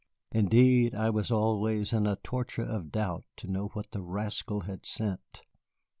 Indeed, I was always in a torture of doubt to know what the rascal had sent.